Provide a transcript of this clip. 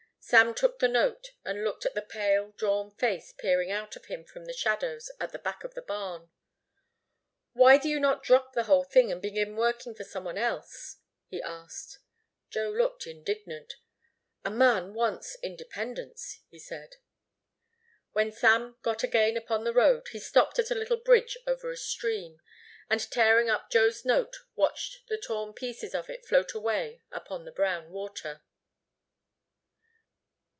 Sam took the note and looked at the pale, drawn face peering out of him from the shadows at the back of the barn. "Why do you not drop the whole thing and begin working for some one else?" he asked. Joe looked indignant. "A man wants independence," he said. When Sam got again upon the road he stopped at a little bridge over a stream, and tearing up Joe's note watched the torn pieces of it float away upon the brown water.